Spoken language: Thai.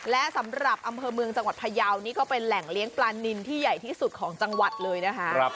และสำหรับอำเภอเมืองจังหวัดพยาวนี่ก็เป็นแหล่งเลี้ยงปลานินที่ใหญ่ที่สุดของจังหวัดเลยนะคะ